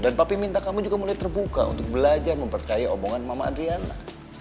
dan papi minta kamu juga mulai terbuka untuk belajar mempercaya omongan mama adriana